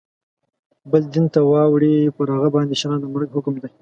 بل دین ته واوړي پر هغه باندي شرعاً د مرګ حکم دی.